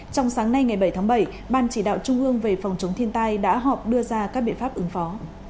trong sáng nay ngày bảy tháng bảy ban chỉ đạo trung ương về phòng chống thiên tai đã họp đưa ra các biện pháp ứng phó